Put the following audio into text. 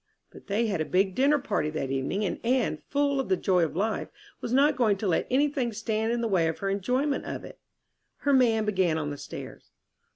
But they had a big dinner party that evening, and Anne, full of the joy of life, was not going to let anything stand in the way of her enjoyment of it. Her man began on the stairs.